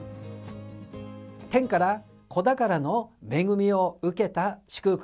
天から子宝の恵みを受けた祝福